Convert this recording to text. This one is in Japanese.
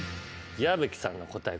矢吹さんの答え